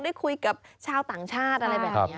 ได้คุยกับชาวต่างชาติอะไรแบบนี้